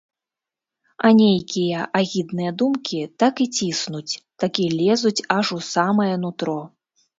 А нейкія агідныя думкі так і ціснуць, так і лезуць аж у самае нутро.